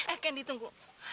eh candy tunggu